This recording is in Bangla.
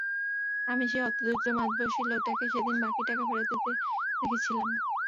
আমি সেই হতদরিদ্র, মাঝবয়সী লোকটাকে সেদিন বাকি টাকা ফেরত দিতে দেখেছিলাম।